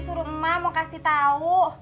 suruh emak mau kasih tahu